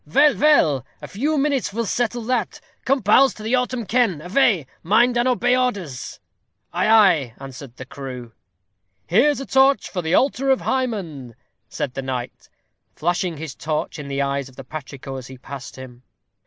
"Vell, vell, a few minutes will settle that. Come, pals, to the autem ken. Avay. Mind and obey orders." "Ay, ay," answered the crew. "Here's a torch for the altar of Hymen," said the knight, flashing his torch in the eyes of the patrico as he passed him.